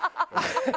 ハハハハ！